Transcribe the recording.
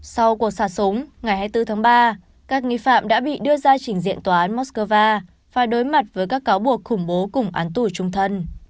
sau cuộc xả súng ngày hai mươi bốn tháng ba các nghi phạm đã bị đưa ra trình diện tòa án moscow phải đối mặt với các cáo buộc khủng bố cùng án tù trung thân